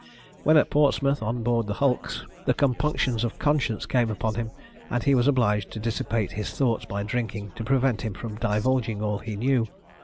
When at Portsmouth, on board the hulks, the compunctions of conscience came upon him, and he was obliged to dissipate his thoughts by drinking, to prevent him from divulging all he knew.